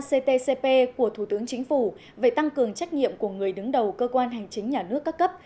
chỉ thị một mươi ba ctcp của thủ tướng chính phủ về tăng cường trách nhiệm của người đứng đầu cơ quan hành chính nhà nước các cấp